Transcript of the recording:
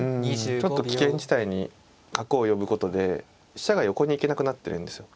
ちょっと危険地帯に角を呼ぶことで飛車が横に行けなくなってるんですよ。